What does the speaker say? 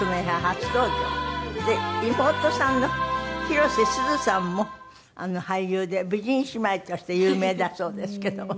妹さんの広瀬すずさんも俳優で美人姉妹として有名だそうですけども。